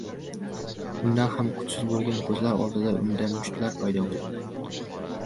undan ham kuchsiz bo‘lgan ko‘zlar oldida unda mushtlar paydo bo‘ladi